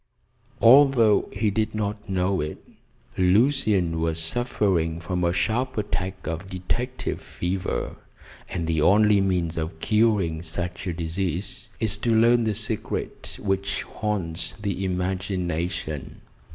Although he did not know it, Lucian was suffering from a sharp attack of detective fever, and the only means of curing such a disease is to learn the secret which haunts the imagination.